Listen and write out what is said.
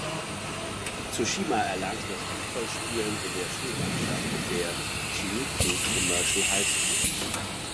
Tsushima erlernte das Fußballspielen in der Schulmannschaft der "Shimizu Commercial High School".